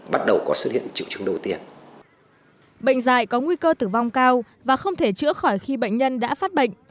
bệnh dại có nguy cơ tử vong cao và không thể chữa khỏi khi bệnh nhân đã phát bệnh